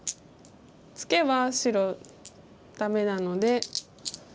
ツケは白ダメなので。